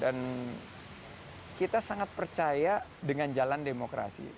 dan kita sangat percaya dengan jalan demokrasi